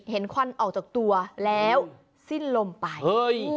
ควันออกจากตัวแล้วสิ้นลมไป